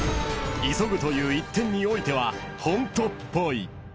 ［急ぐという一点においてはホントっぽい］